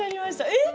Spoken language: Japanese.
えっ？